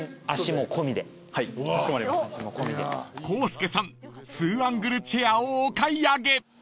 ［浩介さんツーアングルチェアをお買い上げ］